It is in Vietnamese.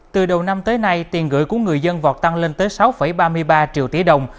từ đầu năm tới nay tiền gửi của người dân vọt tăng lên tới sáu ba mươi ba triệu tỷ đồng